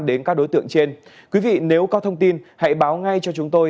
đến các đối tượng trên quý vị nếu có thông tin hãy báo ngay cho chúng tôi